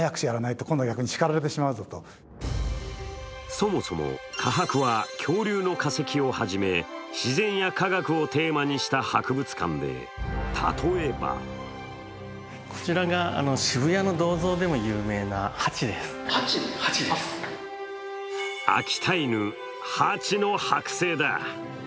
そもそも科博は恐竜の化石を初め自然や科学をテーマにした博物館で例えば秋田犬・ハチの剥製だ！